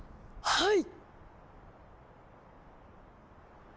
はい！